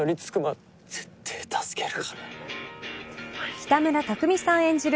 北村匠海さん演じる